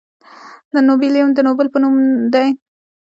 د نوبلیوم د نوبل په نوم دی.